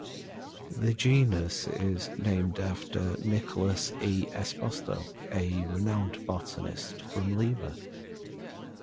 The genus is named after Nicolas E. Esposto, a renowned botanist from Lima.